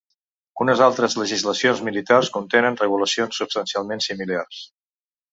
Unes altres legislacions militars contenen regulacions substancialment similars.